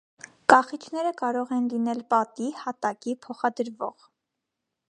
Կախիչները կարող են լինել պատի, հատակի, փոխադրվող։